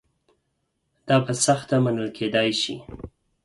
دا په سخته منل کېدای شي.